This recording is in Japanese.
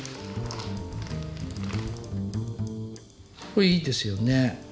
これいいですよね。